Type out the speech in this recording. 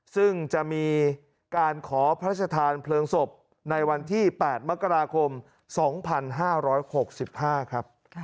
ซึ่งจะมีการขอพระชธานเพลิงศพในวันที่๘มกราคม๒๕๖๕ครับ